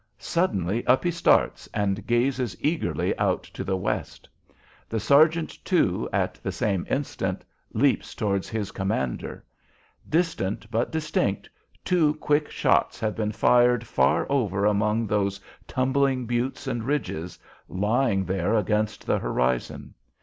Suddenly up he starts and gazes eagerly out to the west. The sergeant, too, at the same instant, leaps towards his commander. Distant, but distinct, two quick shots have been fired far over among those tumbling buttes and ridges lying there against the horizon.